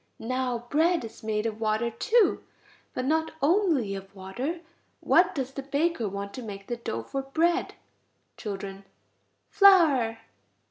Now bread is made of water too, but not only of water. What does the baker want to make the dough for bread?... Children. Flour.